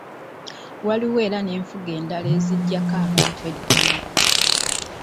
Waliwo era n'enfuga endala eziggyako abantu eddembe.